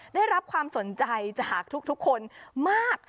ได้รับความสนใจจากทุกคนมาก